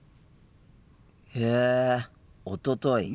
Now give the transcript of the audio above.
へえ「おととい」。